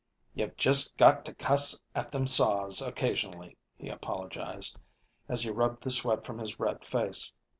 "You've just got to cuss at them Saws occasionally," he apologized, as he rubbed the sweat from his red face.